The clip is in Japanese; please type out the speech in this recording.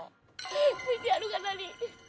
ＶＴＲが何？